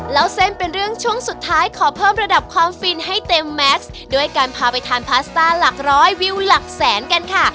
เล่าเส้นเป็นเรื่องช่วงสุดท้ายขอเพิ่มระดับความฟินให้เต็มแมสด้วยการพาไปทานพาสต้าหลักร้อยวิวหลักแสนกันค่ะ